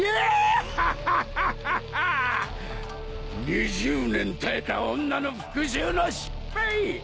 ２０年耐えた女の復讐の失敗。